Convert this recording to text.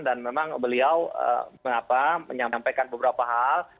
dan memang beliau menyampaikan beberapa hal